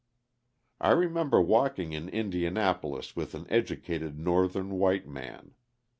I remember walking in Indianapolis with an educated Northern white man.